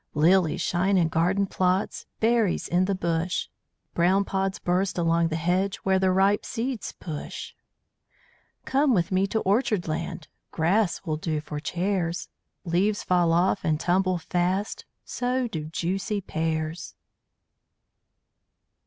Lilies shine in garden plots, Berries in the bush. Brown pods burst along the hedge, Where the ripe seeds push. Come with me to Orchard land; Grass will do for chairs. Leaves fall off and tumble fast So do juicy pears!